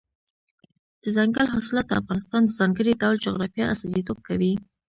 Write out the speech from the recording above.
دځنګل حاصلات د افغانستان د ځانګړي ډول جغرافیه استازیتوب کوي.